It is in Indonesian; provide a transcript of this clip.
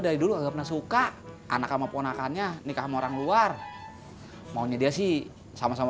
dari dulu agak pernah suka anak sama ponakannya nikah sama orang luar maunya dia sih sama sama